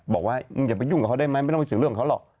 บอกว่าอย่าไปยุ่งกับเขาได้ไหมไม่ต้องไปเสียเรื่องของเขาหรอก